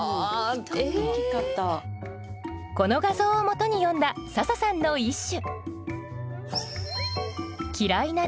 この画像をもとに詠んだ笹さんの一首